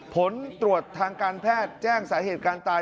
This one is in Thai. ผลตรวจทางการแพทย์แจ้งสาเหตุการตาย